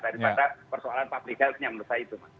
daripada persoalan public health yang besar itu mas